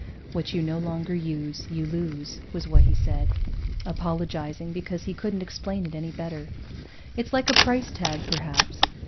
What you no longer use, you lose, was what he said, apologizing because he couldn't explain it any better. It's like a price tag, perhaps.